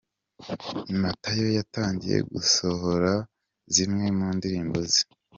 matayo yatangiye gusohora zimwe mu ndirimbo ze